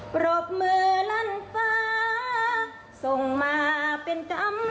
ปรบมือล้านฟ้าส่งมาเป็นกำลังใจ